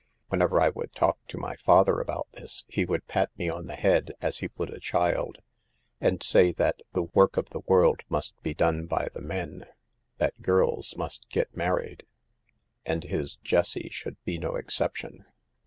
Whenever I would talk to my father about this, he would pat me on the head as he would a child, and say that the work of the world must be done by the men ; that girls must get married, and his Jessie should be no excep tion.